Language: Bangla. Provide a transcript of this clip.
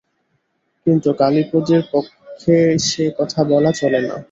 কিন্তু কালীপদর পক্ষে সে কথা বলা চলে না।